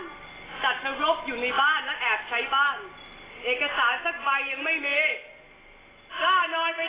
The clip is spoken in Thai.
จัดสรบอยู่ในบ้านและแอบใช้บ้าน